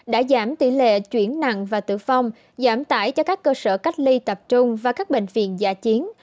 đã giảm tỷ lệ chuyển nặng và tử vong giảm tải cho các cơ sở cách ly tập trung và các bệnh viện giả chiến